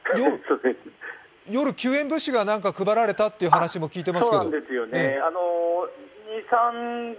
夜、救援物資が配られたという話も聞いていますけど。